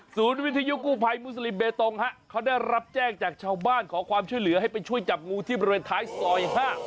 วิทยุกู้ภัยมุสลิมเบตงฮะเขาได้รับแจ้งจากชาวบ้านขอความช่วยเหลือให้ไปช่วยจับงูที่บริเวณท้ายซอย๕